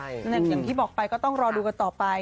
อย่างที่บอกไปก็ต้องรอดูกันต่อไป